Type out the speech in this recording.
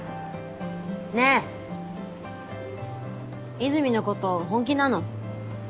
和泉のこと本気なの？